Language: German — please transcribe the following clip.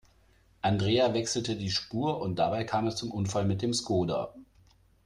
Andrea wechselte die Spur und dabei kam es zum Unfall mit dem Skoda.